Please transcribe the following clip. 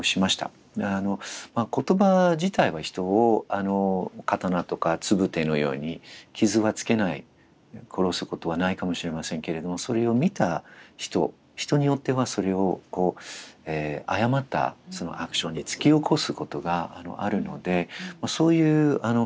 言葉自体は人を刀とか礫のように傷はつけない殺すことはないかもしれませんけれどもそれを見た人人によってはそれを誤ったアクションに突き起こすことがあるのでそういう言葉が飛び交っている空間というのは